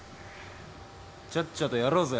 ちゃっちゃとやろうぜ。